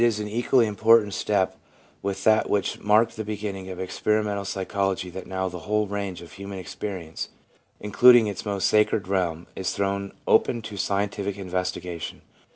INTRODUCTION 5 an equally important step with that which marked the beginning of experimental psychology that now the whole range of human experience, including its most sacred realm, is thrown open to scientific investigation.